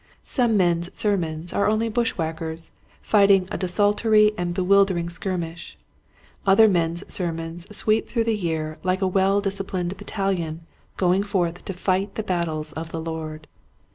Some men's sermons are only bush whackers fighting a desultory and bewil dered skirmish, other men's sermons sweep through the year like a well disciplined battalion going forth to fight the battles of the Lord.